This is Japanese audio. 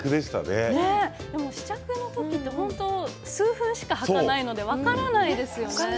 試着の時って数分しか履かないので分からないですよね。